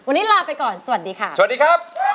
วันนี้ลาไปก่อนสวัสดีค่ะ